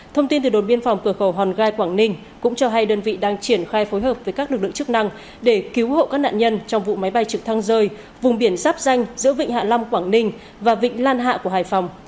thông tin từ đồn biên phòng cửa khẩu hòn gai quảng ninh cũng cho hay đơn vị đang triển khai phối hợp với các lực lượng chức năng để cứu hộ các nạn nhân trong vụ máy bay trực thăng rơi vùng biển sắp danh giữa vịnh hạ long quảng ninh và vịnh lan hạ của hải phòng